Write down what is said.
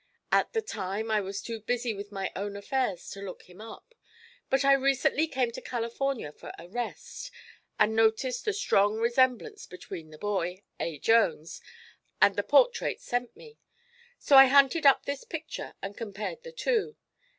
At the time I was too busy with my own affairs to look him up, but I recently came to California for a rest, and noticed the strong resemblance between the boy, A. Jones, and the portrait sent me. So I hunted up this picture and compared the two.